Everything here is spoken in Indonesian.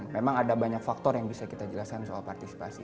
memang ada banyak faktor yang bisa kita jelaskan soal partisipasi